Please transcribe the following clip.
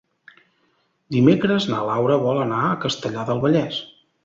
Dimecres na Laura vol anar a Castellar del Vallès.